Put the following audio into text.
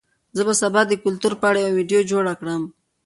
زه به سبا د کلتور په اړه یوه ویډیو جوړه کړم.